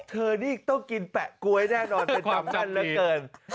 เธอนี่ต้องกินแปะก๊วยแน่นอนเธอจำแน่นเหลือเกิน